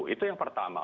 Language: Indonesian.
itu yang pertama